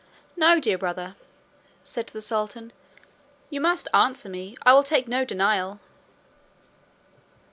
"No, dear brother," said the sultan, "you must answer me, I will take no denial."